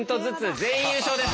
全員優勝です！